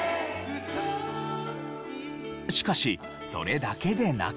しかしそれだけでなく。